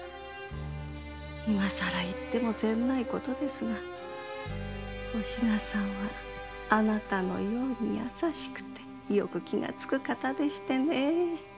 今更言ってもせんない事ですがお品さんはあなたのように優しくてよく気がつく方でしてね。